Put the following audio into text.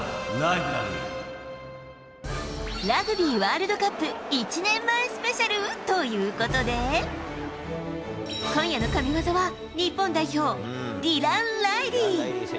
ラグビーワールドカップ１年前スペシャルということで、今夜の神技は日本代表、ディラン・ライリー。